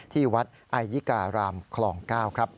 ที่วัดไอยิการามคลอง๙ครับ